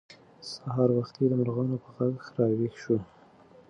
سهار وختي د مرغانو په غږ راویښ شوو.